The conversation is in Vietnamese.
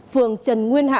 phường trần nguyên hãn